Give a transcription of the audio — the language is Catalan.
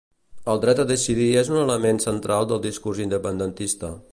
El dret a decidir és un element central del discurs independentista